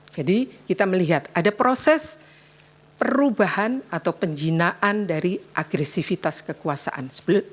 jadi kita melihat ada proses perubahan atau penjinaan dari agresifitas kekuasaan